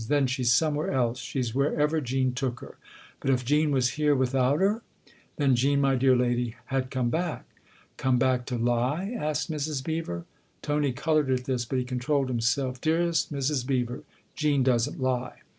Then she's somewhere else. She's wherever Jean took her." " But if Jean was here without her ?"" Then Jean, my dear lady, had come back." " Come back to lie ?" asked Mrs. Beever. Tony coloured at this, but he controlled himself. " Dearest Mrs. Beever, Jean doesn't lie."